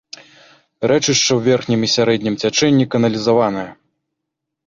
Рэчышча ў верхнім і сярэднім цячэнні каналізаванае.